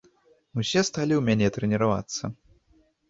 Усе сталі ў мяне трэніравацца.